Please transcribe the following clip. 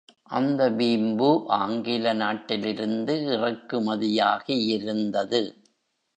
அந்த வீம்பு ஆங்கில நாட்டிலிருந்து இறக்குமதியாகியிருந்தது.